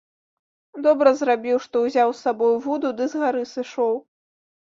Добра зрабіў, што ўзяў з сабою вуду ды з гары сышоў.